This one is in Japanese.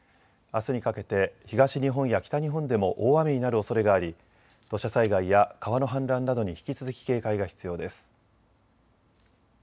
あすにかけて東日本や北日本でも大雨になるおそれがあり土砂災害や川の氾濫などに引き続き警戒が必要です。